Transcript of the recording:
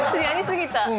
やりすぎた。